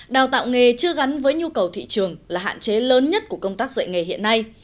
đào tạo nghề chưa gắn với nhu cầu thị trường là hạn chế lớn nhất của công tác dạy nghề hiện nay